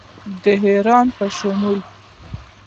د ایران په شمول